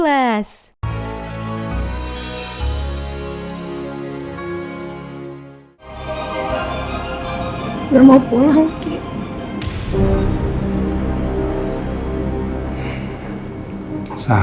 udah mau pulang ki